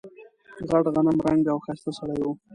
غټ غنم رنګه او ښایسته سړی و.